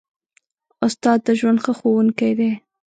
استاد د ژوند ښه ښوونکی دی.